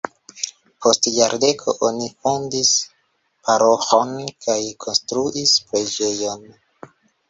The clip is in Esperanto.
Post jardeko oni fondis paroĥon kaj konstruis preĝejon.